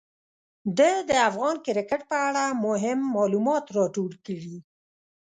ده د افغان کرکټ په اړه مهم معلومات راټول کړي.